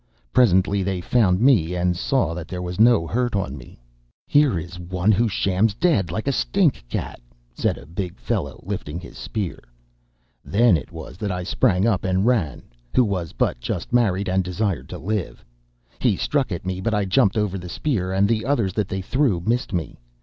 Presently they found me and saw that there was no hurt on me. "'"Here is one who shams dead like a stink cat," said a big fellow, lifting his spear. "'Then it was that I sprang up and ran, who was but just married and desired to live. He struck at me, but I jumped over the spear, and the others that they threw missed me.